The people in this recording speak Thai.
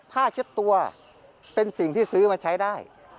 เช็ดตัวเป็นสิ่งที่ซื้อมาใช้ได้